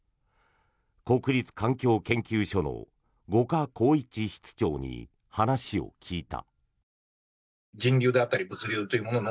国立環境研究所の五箇公一室長に話を聞いた。